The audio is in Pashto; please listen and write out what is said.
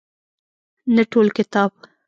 نه ټول کتاب.